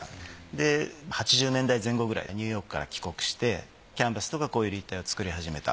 で８０年代前後くらいニューヨークから帰国してキャンバスとかこういう立体を作り始めた。